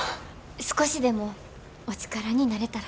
少しでもお力になれたら。